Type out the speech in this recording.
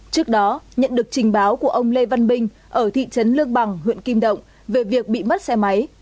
trước đó nhận được trình báo của ông lê văn binh ở thị trấn lương bằng huyện kim động về việc bị mất xe máy